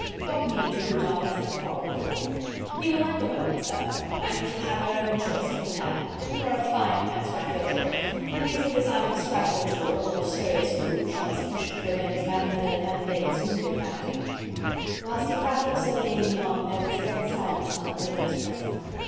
"What need to bruit our pleasant quarrel abroad? You will like the weapons, sir, and you shall have your own choice from the pair.... You are a fine fencer, I feel sure... and you shall decide if a scratch or two or a more serious wound shall be sufficient to avenge Mademoiselle Candeille's wounded vanity." Whilst he prattled so gaily on, there was dead silence among all those present.